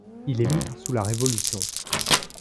Il émigre sous la Révolution.